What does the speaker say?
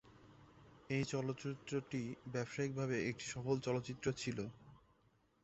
এই চলচ্চিত্রটি ব্যবসায়িকভাবে একটি সফল চলচ্চিত্র ছিল।